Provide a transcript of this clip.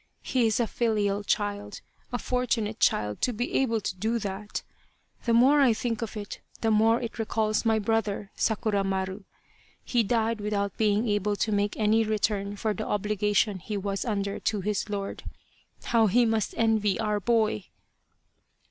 He is a filial child a fortunate child to be able to do that ! The more I think of it the more it recalls my brother, Sakura Maru. He died without being able to make any return for the obligation he was under to his lord. How he must envy our boy